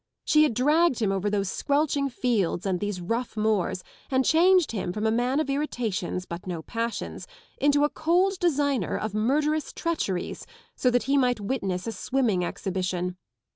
She had dragged him over those squelching fields and these rough moors and changed him from a man of irritations, bnt no passions, into a cold designer of murderous treacheries, so that he might witness a swimming exhibition!